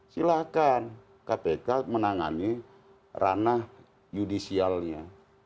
silahkan kpk menangani ranah judicialnya